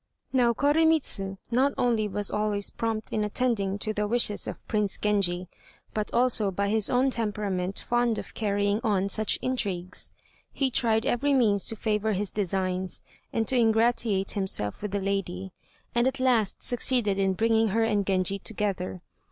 Now Koremitz not only was always prompt in attending to the wishes of Prince Genji, but also was by his own temperament fond of carrying on such intrigues. He tried every means to favor his designs, and to ingratiate himself with the lady, and at last succeeded in bringing her and Genji together.